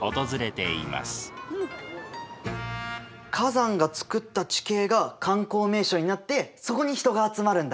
火山がつくった地形が観光名所になってそこに人が集まるんだね。